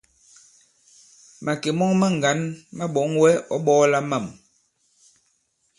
Màkè mɔŋ maŋgǎn ma ɓɔ̌ŋ wɛ ɔ̌ ɓɔ̄ɔla mâm.